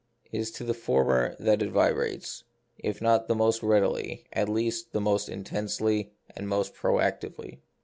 It is to the former that it vibrates, if not most readily, at least most in tensely and most protractedly.